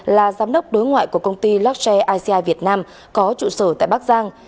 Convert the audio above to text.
là giám đốc đối ngoại của công ty luxair ici việt nam có trụ sở tại bắc giang